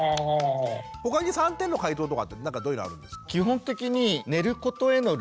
他に３点の解答とかってどういうのあるんですか？